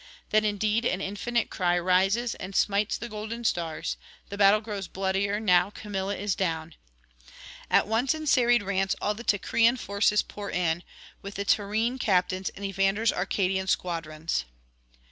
Then indeed an [832 867]infinite cry rises and smites the golden stars; the battle grows bloodier now Camilla is down; at once in serried rants all the Teucrian forces pour in, with the Tyrrhene captains and Evander's Arcadian squadrons.